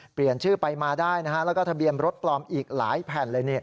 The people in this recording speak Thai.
เปลี่ยนชื่อไปมาได้แล้วก็ทะเบียนรถปลอมอีกหลายแผ่นเลย